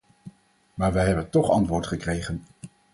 Maar wij hebben toch antwoord gekregen.